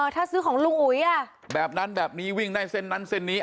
ถ้าซื้อของลุงอุ๋ยอ่ะแบบนั้นแบบนี้วิ่งได้เส้นนั้นเส้นนี้